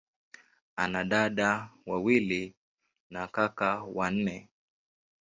Ana dada wawili na kaka wanne.